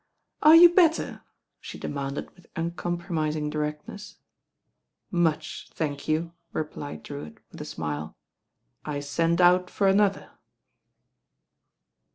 "Are you better?" she demanded with uncom promismg directness. "Much, thank you," replied Drewitt, with a smile. 1 sent out for another."